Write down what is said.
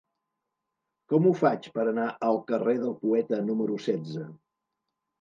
Com ho faig per anar al carrer del Poeta número setze?